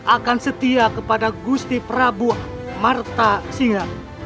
akan setia kepada gusti prabuah marta singa